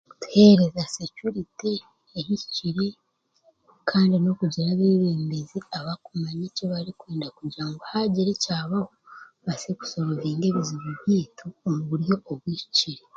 Kutuheereza securite ehikire kandi n'okugira abeebembezi abokumanya ekibarikwenda kugira ngu haagira ekyabaho, babaase kusorovinga ebizibu byaitu omu buryo obuhikire